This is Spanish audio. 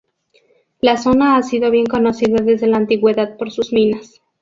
La zona ha sido bien conocida desde la antigüedad por sus minas.